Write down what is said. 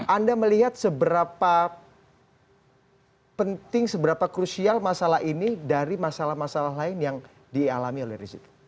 anda melihat seberapa penting seberapa krusial masalah ini dari masalah masalah lain yang dialami oleh rizik